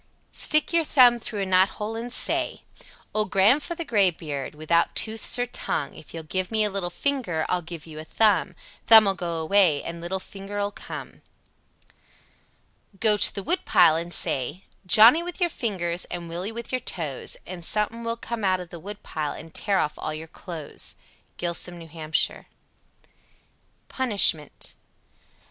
Stick your thumb through a knothole and say: Old Gran'f'ther Graybeard, without tooths or tongue, If you'll give me a little finger I'll give you a thumb. Thumb'll go away and little finger'll come. 88. Go to the woodpile and say, "Johnnie with your fingers, and Willie with your toes," and something (suthin) will come out of the woodpile and tear off all your clothes (close). Gilsum, N.H. PUNISHMENT.